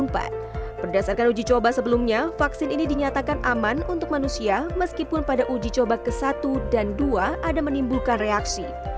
berdasarkan uji coba sebelumnya vaksin ini dinyatakan aman untuk manusia meskipun pada uji coba ke satu dan dua ada menimbulkan reaksi